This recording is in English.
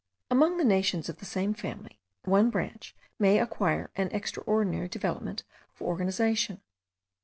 Among the nations of the same family, one branch may acquire an extraordinary development of organization.